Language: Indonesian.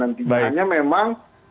dan tindanya memang